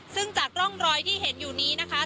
ซึ่งจากร่องรอยที่เห็นอยู่นี้นะคะ